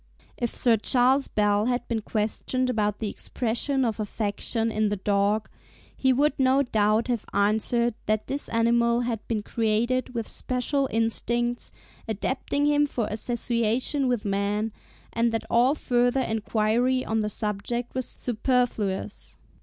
If Sir C. Bell had been questioned about the expression of affection in the dog, he would no doubt have answered that this animal had been created with special instincts, adapting him for association with man, and that all further enquiry on the subject was superfluous.